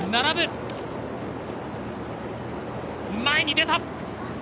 前に出た！